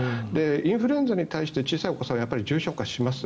インフルエンザに対して小さいお子さんは重症化します。